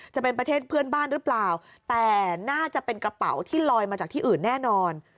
จะเป็นประเทศเพื่อนบ้านหรือเปล่าแต่น่าจะเป็นกระเป๋าที่ลอยมาจากที่อื่นแน่นอน